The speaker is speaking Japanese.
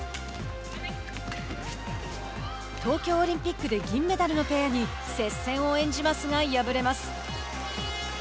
東京オリンピックで銀メダルのペアに接戦を演じますが、敗れます。